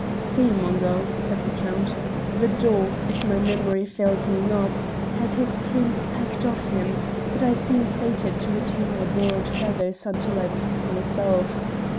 "See! Mungo," said the Count, "the daw, if my memory fails me not, had his plumes pecked off him, but I seem fated to retain my borrowed feathers until I pluck myself.